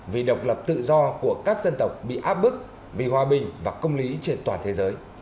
vì độc lập tự do của các dân tộc bị áp bức vì hòa bình và công lý trên toàn thế giới